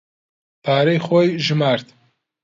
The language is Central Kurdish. پارەی خۆی ژمارد.